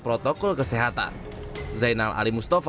protokol kesehatan zainal ali mustafa